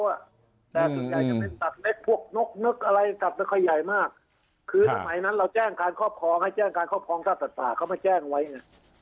แต่ส่วนใหญ่จะเป็นตัดเล็กพวกนกนกอะไรตัดมาที่ใหญ่มากคือตอนไหนนั้นเราแจ้งการข้อพองสัตว์ศาสตราเค้ามาแจ้งไว้เนี่ย